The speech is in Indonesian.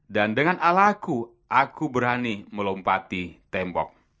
dan dengan alaku aku berani melompati tembok